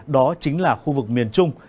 đó chính là khu vực miền trung